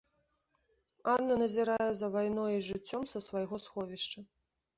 Анна назірае за вайной і жыццём са свайго сховішча.